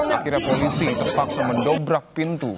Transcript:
akhirnya polisi terpaksa mendobrak pintu